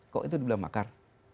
kok itu dibilang makar